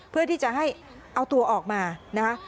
เพื่อที่จะให้เอาตัวออกมานะคะ